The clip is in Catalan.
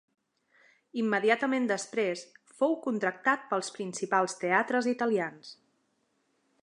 Immediatament després fou contractat pels principals teatres italians.